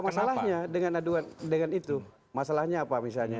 masalahnya dengan aduan dengan itu masalahnya apa misalnya